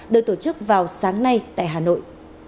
được tổ chức vào sáng nay tại hà nội